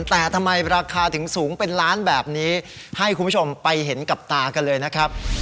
แต่ทำไมราคาถึงสูงเป็นล้านแบบนี้ให้คุณผู้ชมไปเห็นกับตากันเลยนะครับ